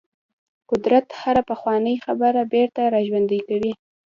قدرت هره پخوانۍ خبره بیرته راژوندۍ کوي.